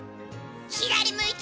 左向いて！